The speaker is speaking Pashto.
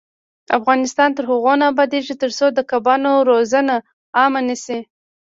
افغانستان تر هغو نه ابادیږي، ترڅو د کبانو روزنه عامه نشي.